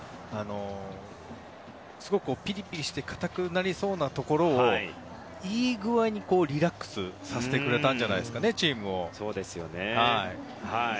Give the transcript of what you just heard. すごくピリピリして硬くなりそうなところをいい具合にリラックスさせてくれたんじゃないですかね。